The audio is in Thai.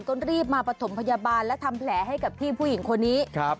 ก็รีบมาประถมพยาบาลและทำแผลให้กับพี่ผู้หญิงคนนี้ครับ